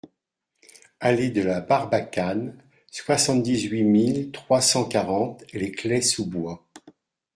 Allée de la Barbacane, soixante-dix-huit mille trois cent quarante Les Clayes-sous-Bois